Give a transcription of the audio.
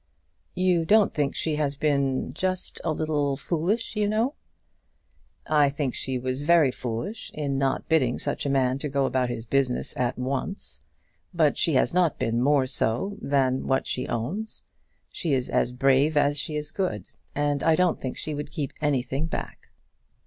"You don't think she has been just a little foolish, you know?" "I think she was very foolish in not bidding such a man to go about his business, at once. But she has not been more so than what she owns. She is as brave as she is good, and I don't think she would keep anything back."